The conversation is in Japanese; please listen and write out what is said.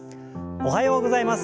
おはようございます。